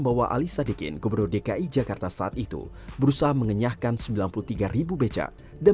bahwa ali sadikin gubernur dki jakarta saat itu berusaha mengenyahkan sembilan puluh tiga becak dan